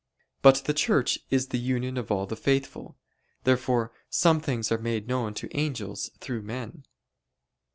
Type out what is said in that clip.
But the Church is the union of all the faithful. Therefore some things are made known to angels through men.